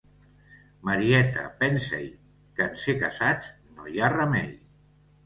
Marieta, pensa-hi, que en ser casats, no hi ha remei.